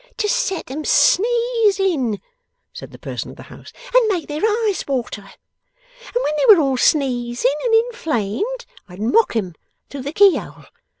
'To set 'em sneezing,' said the person of the house, 'and make their eyes water. And when they were all sneezing and inflamed, I'd mock 'em through the keyhole.